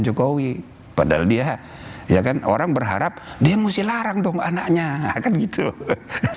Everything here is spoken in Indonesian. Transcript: jokowi padahal dia ya kan orang berharap dia sc larang dong anaknya hati tiempo so